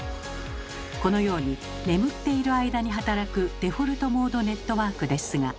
このように眠っている間に働くデフォルトモードネットワークですが。